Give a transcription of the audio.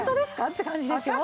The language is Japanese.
って感じですよ。